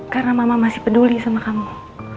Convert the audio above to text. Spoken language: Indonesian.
karena mama masih peduli sama kamu